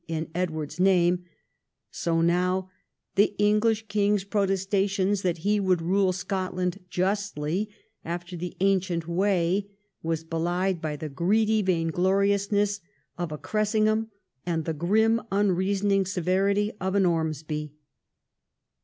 in Edward's name, so now the English king's protestations that he would rule Scotland justly, after the ancient way, were belied by the greedy vain gloriousness of a Cressingham and the grim unreasoning severity of an Ormesby.